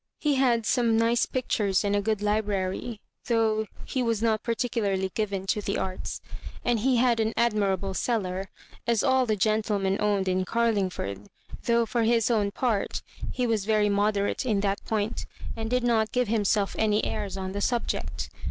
He had some nice pictures and a good library, though he was not particularly given to the arts ; and he had an admirable cellar, as all the gentlemen owned in Carlingford, though, for his own part, he was very moderate in that point, and did not give himself any airs on the subject.